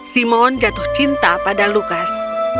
simon jatuh cinta pada lukas